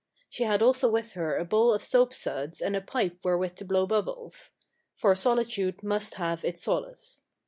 She had also with her a bowl of soapsuds and a pipe wherewith to blow bubbles. For solitude must have its solace.